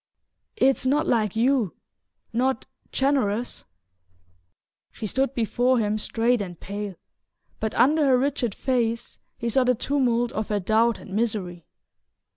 "It's not like you ... not generous..." She stood before him straight and pale, but under her rigid face he saw the tumult of her doubt and misery.